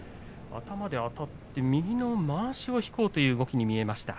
頭であたって右のまわしを引こうという動きに見えました。